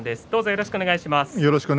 よろしくお願いします。